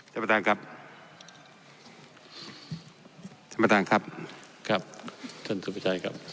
เจ้าประตานครับ